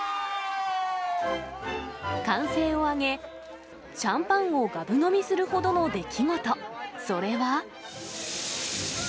歓声を上げ、シャンパンをがぶ飲みするほどの出来事、それは。